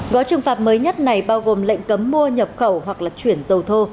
gói trừng phạt mới nhất này bao gồm lệnh cấm mua nhập khẩu hoặc là chuyển dầu thô